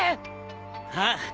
ああ。